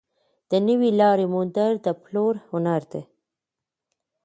د نوې لارې موندل د پلور هنر دی.